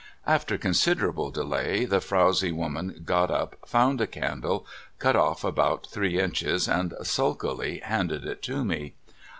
After considerable delay, the frowzy woman got up, found a candle, cut off about three inches, and sulkily handed it to me.